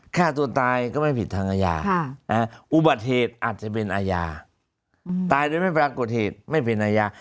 ฆ่าตัวตายก็ไม่ผิดทางอาญาอุบัติเหตุอาจจะเป็นอาญาตายโดยไม่ปรากฏเหตุไม่เป็นอาญา